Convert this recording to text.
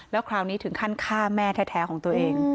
แล้วคราวนี้ถึงขั้นฆ่าแม่แท้ของตัวเอง